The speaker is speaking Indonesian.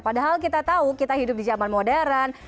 padahal kita tahu kita hidup di zaman modern